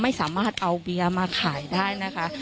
ไม่สามารถเอาเบียร์มาขายได้นะคะ